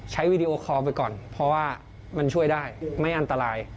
วีดีโอคอลไปก่อนเพราะว่ามันช่วยได้ไม่อันตราย